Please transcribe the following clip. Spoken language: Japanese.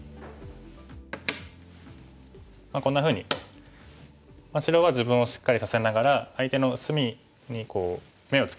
こんなふうに白は自分をしっかりさせながら相手の隅に眼を作らせないようにしましたね。